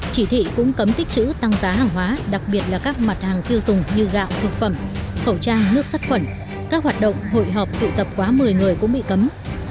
chỉ thị cũng cấm tích chữ tăng giá hàng hóa đặc biệt là các mặt hàng tiêu dùng như gạo thực phẩm khẩu trang nước sắt khuẩn các hoạt động hội họp tụ tập quá một mươi người cũng bị cấm